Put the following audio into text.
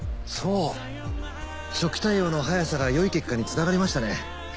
そう初期対応の早さがよい結果につながりましたね。